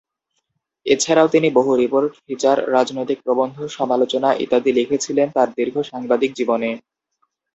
এছাড়াও তিনি বহু রিপোর্ট, ফিচার, রাজনৈতিক প্রবন্ধ, সমালোচনা ইত্যাদি লিখেছিলেন তার দীর্ঘ সাংবাদিক জীবনে।